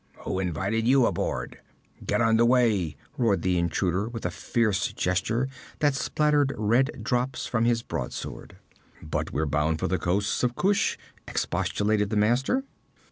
'Who invited you aboard?' 'Get under way!' roared the intruder with a fierce gesture that spattered red drops from his broadsword. 'But we're bound for the coasts of Kush!' expostulated the master.